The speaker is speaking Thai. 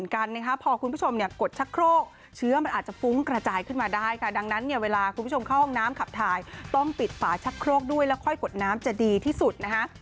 คุณผู้ชมเข้าห้องน้ำขับถ่ายต้องปิดฝาชักโครกด้วยแล้วค่อยกดน้ำจะดีที่สุดนะฮะ